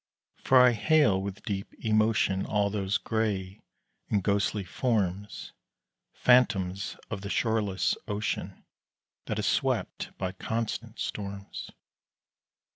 For I hail with deep emotion All those gray and ghostly forms, Phantoms of the shoreless ocean That is swept by constant storms.